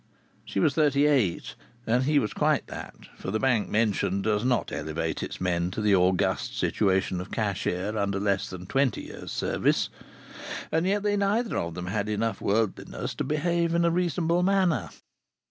She was thirty eight, and he was quite that (for the Bank mentioned does not elevate its men to the august situation of cashier under less than twenty years' service), and yet they neither of them had enough worldliness to behave in a reasonable manner.